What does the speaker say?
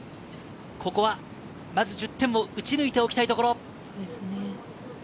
ここはまず１０点を打ち抜いておきたいところ。